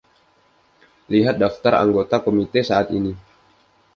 Lihat daftar anggota Komite saat ini.